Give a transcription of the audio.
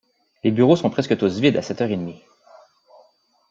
Les bureaux sont presque tous vides à sept heures et demi.